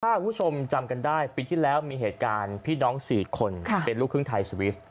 ถ้าคุณผู้ชมจำกันได้ปีที่แล้วมีเหตุการณ์พี่น้อง๔คนเป็นลูกครึ่งไทยสวิส